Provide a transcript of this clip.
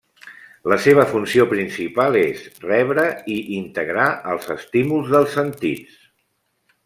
La seva funció principal és rebre i integrar els estímuls dels sentits.